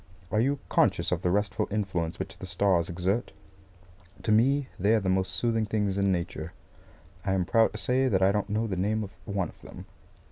Are you conscious of the restful influence which the stars exert? To me they are the most soothing things in Nature. I am proud to say that I don't know the name of one of them.